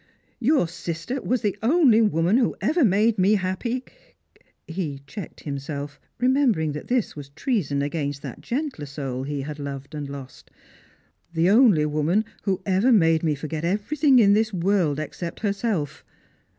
" Your sister was the only woman who ever made me happy —" he checked himself, remembering that this was treason against that gentler soul he had loved and lost —" the only woman who ever made me forget everything in this world except herself.